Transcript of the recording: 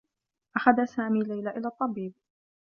أخذ سامي ليلى إلى الطّبيب.